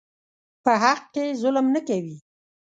په حق کې ظلم نه کوي.